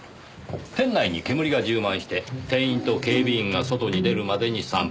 店内に煙が充満して店員と警備員が外に出るまでに３分。